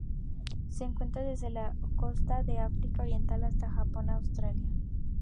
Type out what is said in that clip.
Se encuentra desde las costas del África Oriental hasta el Japón y Australia.